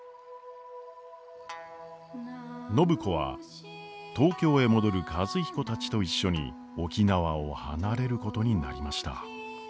暢子は東京へ戻る和彦たちと一緒に沖縄を離れることになりました。